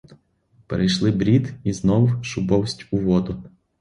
Перейшли брід і знов шубовсть у воду.